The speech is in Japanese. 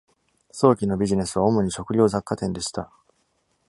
早期のビジネスは主に食料雑貨店でした。